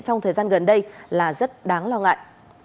trong thời gian gần đây là rất đáng lo ngại